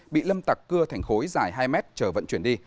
bị lâm tặc cưa thành khối dài hai mét chờ vận chuyển đi